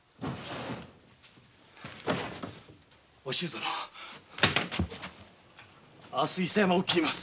お静殿明日伊佐山を切ります。